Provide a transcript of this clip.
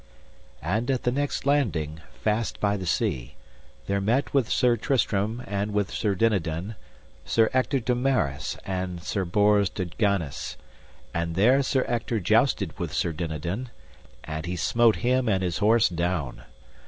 And at the next landing, fast by the sea, there met with Sir Tristram and with Sir Dinadan, Sir Ector de Maris and Sir Bors de Ganis; and there Sir Ector jousted with Sir Dinadan, and he smote him and his horse down.